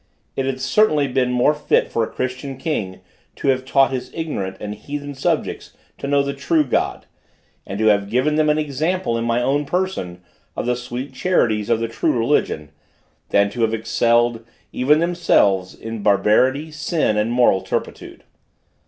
It had certainly been more fit for a Christian king to have taught his ignorant and heathen subjects to know the true God, and to have given them an example in my own person of the sweet charities of the true religion, than to have excelled, even themselves in barbarity, sin and moral turpitude.